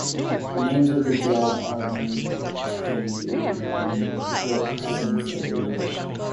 The names of the dead are only tabooed in the presence of their relations.